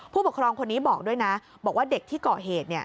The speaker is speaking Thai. ผู้ปกครองคนนี้บอกด้วยนะบอกว่าเด็กที่ก่อเหตุ